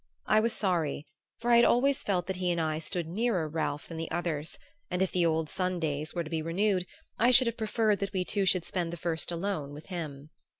I was sorry, for I had always felt that he and I stood nearer Ralph than the others, and if the old Sundays were to be renewed I should have preferred that we two should spend the first alone with him.